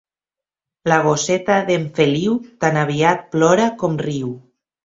La gosseta d'en Feliu tan aviat plora com riu.